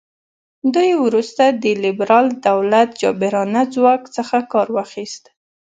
دوی وروسته د لیبرال دولت جابرانه ځواک څخه کار واخیست.